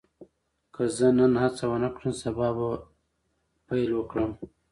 که زه نن هڅه ونه کړم، سبا به پیل وکړم.